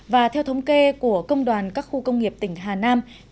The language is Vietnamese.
và theo thống kê của công đoàn các khu công nghiệp tỉnh hà nam